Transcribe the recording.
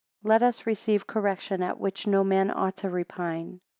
3 Let us receive correction, at which no man ought to repine.